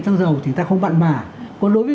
xăng dầu thì ta không bận bả còn đối với